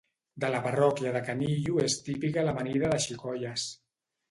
De la parròquia de Canillo és típica l'amanida de xicoies.